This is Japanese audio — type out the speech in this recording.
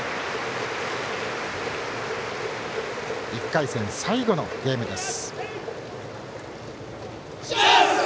１回戦最後のゲームです。